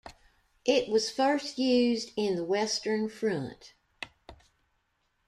It was first used in the western front.